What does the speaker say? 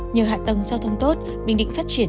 nhờ hạ tầng giao thông tốt bình định phát triển